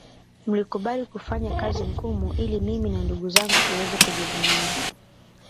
Mlikubali kufanya kazi ngumu ili mimi na ndugu zangu tuweze kujivunia